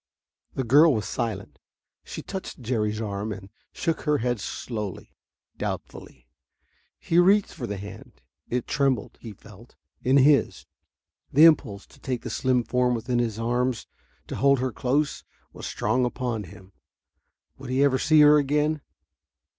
The girl was silent. She touched Jerry's arm, and shook her head slowly, doubtfully. He reached for the hand. It trembled, he felt, in his. The impulse to take the slim form within his arms, to hold her close, was strong upon him. Would he ever see her again